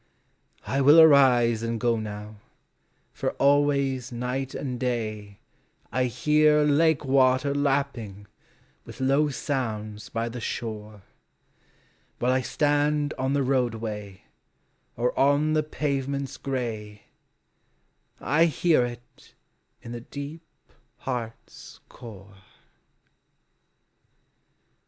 I will arise and go now, for always nighl and day I hear lake water lapping with low sounds bj the shore ; While I stand on the roadway, or on the pave ments gray, I hear it in the deep heart's core.